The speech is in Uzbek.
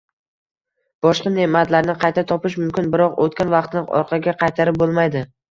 Boshqa ne’matlarni qayta topish mumkin, biroq o‘tgan vaqtni orqaga qaytarib bo‘lmaydi.